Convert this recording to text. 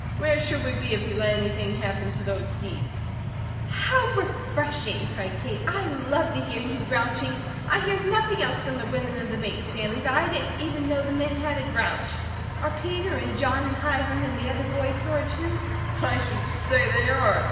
Where should we be if he let anything happen to those deeds?" "How refreshing!" cried Kate. "I love to hear you grouching! I hear nothing else from the women of the Bates family, but I didn't even know the men had a grouch. Are Peter, and John, and Hiram, and the other boys sore, too?" "I should say they are!